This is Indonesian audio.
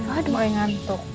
aduh saya ngantuk